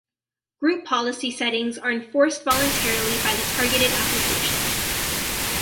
Group Policy settings are enforced voluntarily by the targeted applications.